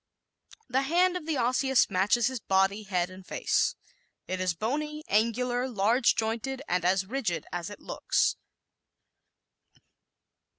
The hand of the Osseous matches his body, head and face. It is bony, angular, large jointed and as rigid as it looks.